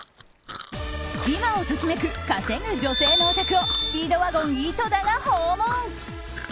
今を時めく稼ぐ女性のお宅をスピードワゴン井戸田が訪問。